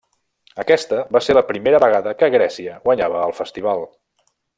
Aquesta va ser la primera vegada que Grècia guanyava el Festival.